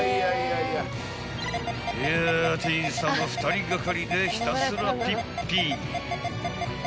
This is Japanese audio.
［いやぁ店員さんも２人がかりでひたすらピッピ］